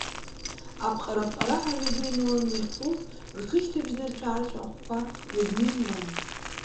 Апҟара-пҟараҳәа амҩаду ианыланы иахьцоз рҽышьҭыбжь нырцә-аарцә ахәқәа ирныҩуан.